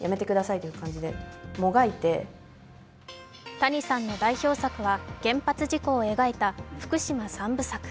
谷さんの代表作は原発事故を描いた「福島三部作」。